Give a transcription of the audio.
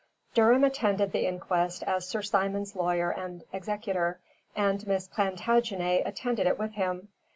Durham attended the inquest as Sir Simon's lawyer and executor, and Miss Plantagenet attended it with him.